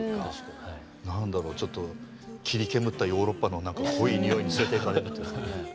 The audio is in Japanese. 何だろちょっと霧煙ったヨーロッパの濃い匂いに連れていかれるというかね。